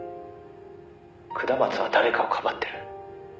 「下松は誰かをかばってる」